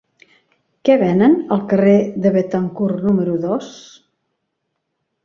Què venen al carrer de Béthencourt número dos?